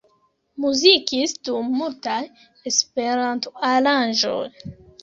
Muzikis dum multaj Esperanto-aranĝoj.